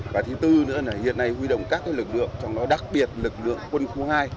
và thứ tư nữa là hiện nay huy động các lực lượng trong đó đặc biệt lực lượng quân khu hai